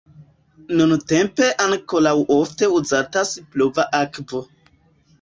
Nuntempe ankaŭ ofte uzatas pluva akvo.